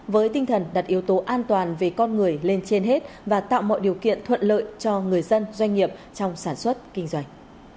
với tinh thần đặt yếu tố an toàn về con người lên trên hết và tạo mọi điều kiện thuận lợi cho người dân doanh nghiệp trong sản xuất kinh doanh